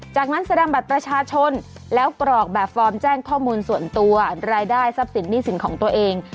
จากนั้นแสดงบัตรประชาชนแล้วกรอกแบบฟอร์มแจ้งข้อมูลส่วนตัวรายได้ทรัพย์สินหนี้สินของตัวเอง